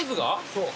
そう。